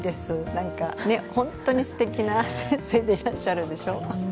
なんかね、本当にすてきな先生でいらっしゃるでしょ。